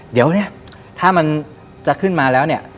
เดี๋ยวเนี่ยถ้ามันจะขึ้นมาแล้วเนี่ย